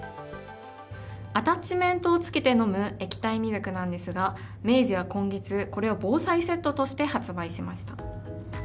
アタッチメントをつけて飲む液体ミルクなんですが明治は今月、これを防災セットとして発売しました。